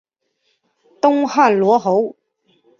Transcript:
东汉罗侯。